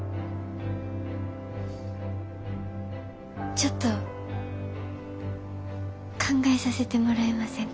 ちょっと考えさせてもらえませんか？